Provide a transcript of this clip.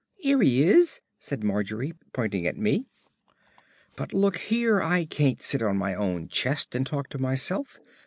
"'Ere he is," said Margery, pointing at me. "But look here, I can't sit on my own chest and talk to myself.